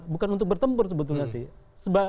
bukan untuk bertempur sebetulnya sih